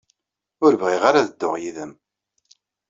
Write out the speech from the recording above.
Ur bɣiɣ ara ad dduɣ yid-m.